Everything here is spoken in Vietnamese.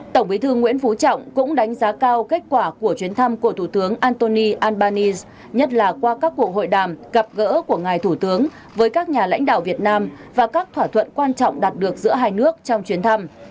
tổng bí thư nguyễn phú trọng cũng đánh giá cao kết quả của chuyến thăm của thủ tướng antoni albanese nhất là qua các cuộc hội đàm gặp gỡ của ngài thủ tướng với các nhà lãnh đạo việt nam và các thỏa thuận quan trọng đạt được giữa hai nước trong chuyến thăm